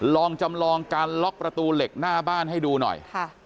ลองจำลองการล็อกประตูเหล็กหน้าบ้านให้ดูหน่อย